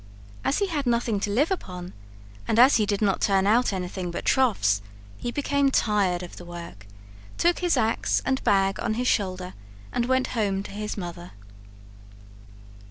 As he had nothing to live upon, and as he did not turn out anything but troughs, he became tired of the work, took his ax and bag on his shoulder, and went home to his mother.